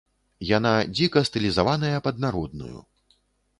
Яна дзіка стылізаваная пад народную.